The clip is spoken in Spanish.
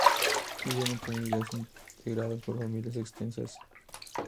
Viven en comunidades integradas por familias extensas.